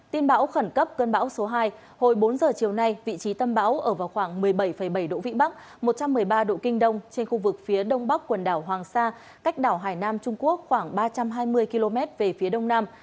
tin bão khẩn cấp cơn bão số hai hồi bốn giờ chiều nay vị trí tâm bão ở vào khoảng một mươi bảy bảy độ vĩ bắc một trăm một mươi ba độ kinh đông trên khu vực phía đông bắc quần đảo hoàng sa cách đảo hải nam trung quốc khoảng ba trăm hai mươi km về phía đông nam